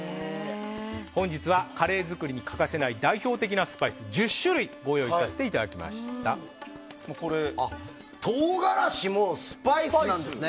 本日はカレー作りに欠かせない代表的なスパイス１０種類を唐辛子もスパイスなんですね。